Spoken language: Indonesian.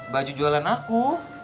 baju jualan aku